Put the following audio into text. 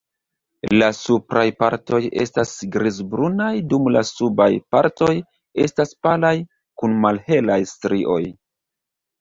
La supraj partoj estas grizbrunaj dum la subaj partoj estas palaj kun malhelaj strioj.